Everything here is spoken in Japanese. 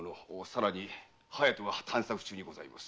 さらに隼人が探索中にござります。